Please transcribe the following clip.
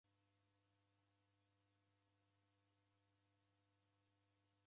Njogholo yadaw'usira w'andu kila ituku.